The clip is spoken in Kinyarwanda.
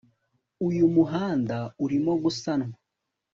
Uyu muhanda urimo gusanwa